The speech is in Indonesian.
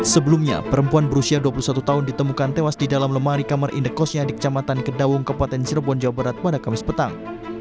sebelumnya perempuan berusia dua puluh satu tahun ditemukan tewas di dalam lemari kamar indekosnya di kecamatan kedaung kepaten cirebon jawa barat pada kamis petang